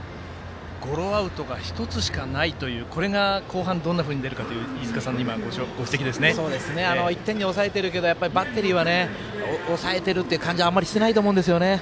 ゴロアウトが１つしかないというこれが後半どんなふうに出るかという１点に抑えているけどバッテリーは抑えている感じがあんまりしてないと思います。